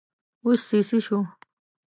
اوس سيي شو!